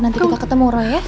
nanti kita ketemu orang ya